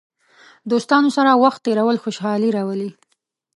دوستانو سره وخت تېرول خوشحالي راولي.